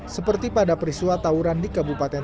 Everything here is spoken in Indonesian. seperti pada peristiwa tawuran di kabupaten